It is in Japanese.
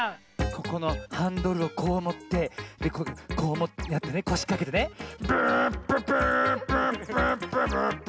ここのハンドルをこうもってこうやってねこしかけてねブーンブブーンブブッブブッブ。